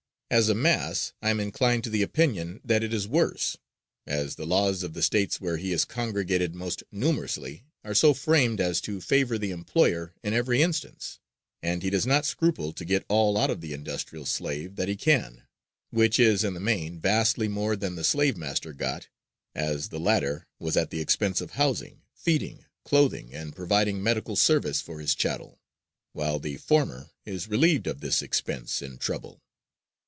As a mass, I am inclined to the opinion that it is worse, as the laws of the States where he is congregated most numerously are so framed as to favor the employer in every instance, and he does not scruple to get all out of the industrial slave that he can; which is, in the main, vastly more than the slave master got, as the latter was at the expense of housing, feeding, clothing and providing medical service for his chattel, while the former is relieved of this expense and trouble.